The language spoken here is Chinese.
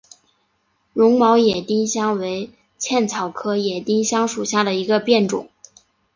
绒毛野丁香为茜草科野丁香属下的一个变种。